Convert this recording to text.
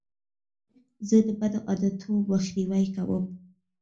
زه د بدو عادتو مخنیوی کوم.